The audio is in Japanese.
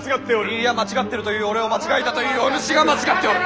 いいや間違っているという俺を間違いだというお主が間違っておる！